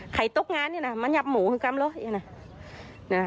ใครตกงานมันหยับหมูคือกำลัง